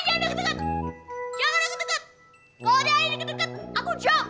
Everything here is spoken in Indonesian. kalau dia ini deket deket aku jom